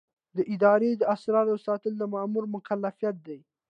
د ادارې د اسرارو ساتل د مامور مکلفیت دی.